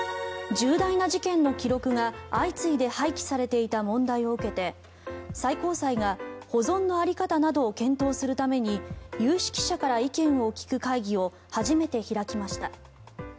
重大な事件の記録が相次いで廃棄されていた問題を受けて最高裁が保存の在り方などを検討するために有識者から意見を聞く会議を初めて開きました。